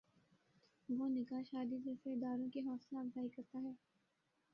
وہ نکاح شادی جیسے اداروں کی حوصلہ افزائی کرتا ہے۔